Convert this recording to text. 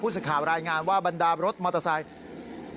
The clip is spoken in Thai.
ผู้สินคามรายงานว่าบรรดาบรถมอเตอร์ไซค์